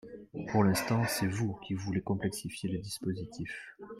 Pour l’instant, c’est vous qui voulez complexifier le dispositif